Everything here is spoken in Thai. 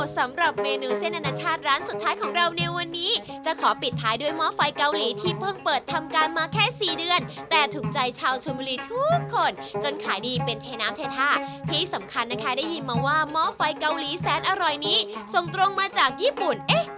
สำหรับเมนูเส้นอนาชาติร้านสุดท้ายของเราในวันนี้จะขอปิดท้ายด้วยหม้อไฟเกาหลีที่เพิ่งเปิดทำการมาแค่สี่เดือนแต่ถูกใจชาวชนบุรีทุกคนจนขายดีเป็นเทน้ำเทท่าที่สำคัญนะคะได้ยินมาว่าหม้อไฟเกาหลีแสนอร่อยนี้ส่งตรงมาจากญี่ปุ่น